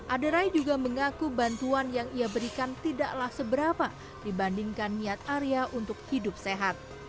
aderai juga mengaku bantuan yang ia berikan tidaklah seberapa dibandingkan niat arya untuk hidup sehat